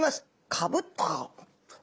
かぶっと。